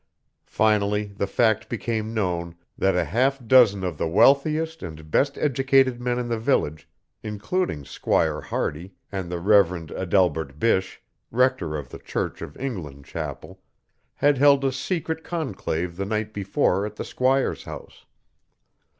Finally the fact became known that a half dozen of the wealthiest and best educated men in the village, including Squire Hardy and the Rev. Adelbert Bysshe, rector of the Church of England chapel, had held a secret conclave the night before at the squire's house.